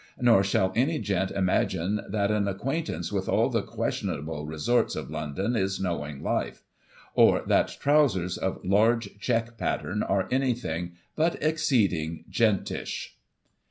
Nor shall any Gent imagine that an acquaintance with all the questionable resorts of London is " knowing life "; or that trousers of largp check pattern are anything but exceeding Gentish.